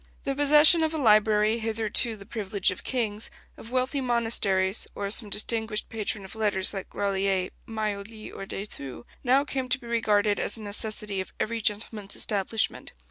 The possession of a library, hitherto the privilege of kings, of wealthy monasteries, or of some distinguished patron of letters like Grolier, Maioli, or de Thou, now came to be regarded as a necessity of every gentleman's establishment.